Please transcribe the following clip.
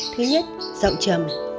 thứ nhất giọng chầm